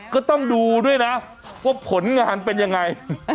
ก็ต้องดูด้วยนะว่าผลงานเป็นยังไง